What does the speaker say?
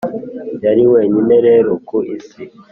yari wenyine rero ku isi